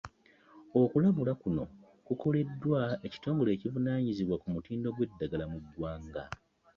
Okulabula kuno kukoleddwa ekitongole ekivunaanyizibwa ku mutindo gw'eddagala mu ggwanga